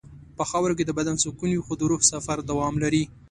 په خاوره کې د بدن سکون وي خو د روح سفر دوام لري.